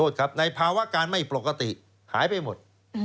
หายไปหมด